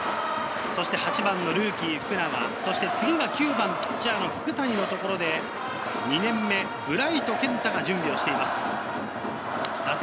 ８番、ルーキー・福永、次は９番ピッチャー・福谷のところで、ブライト健太が準備しています。